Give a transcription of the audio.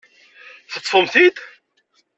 Teṭṭfemt-t-id?